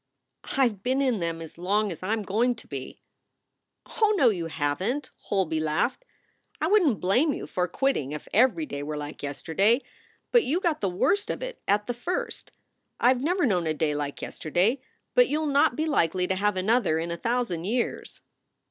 "I ve been in them as long as I m going to be!" "Oh no, you haven t!" Holby laughed. "I wouldn t blame you for quitting if every day were like yesterday, but you got the worst of it at the first. I ve never known a day like yesterday, but you ll not be likely to have another in a thousand years."